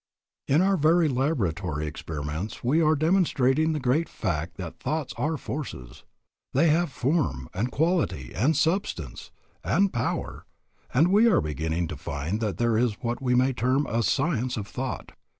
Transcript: In our very laboratory experiments we are demonstrating the great fact that thoughts are forces. They have form, and quality, and substance, and power, and we are beginning to find that there is what we may term a science of thought.